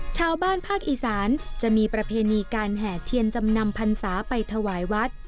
ชาวบ้านภาคอีสานจะมีประเพณีการแห่เทียนจำนำพันศาไปถวายวัด